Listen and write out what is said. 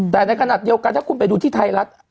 แต่ในขณะเดียวกันถ้าคุณไปดูที่ไทยรัฐ